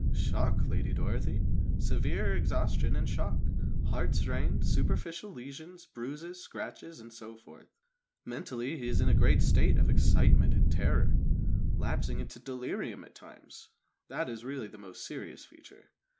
"Shock, Lady Dorothy; severe exhaustion and shock, heart strained, superficial lesions, bruises, scratches, and so forth. Mentally he is in a great state of excitement and terror, lapsing into delirium at times that is really the most serious feature.